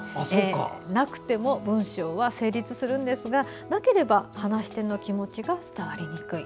なくても文章は成立するんですがなければ話し手の気持ちが伝わりにくい。